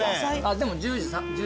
でも１０時半。